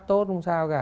tốt không sao cả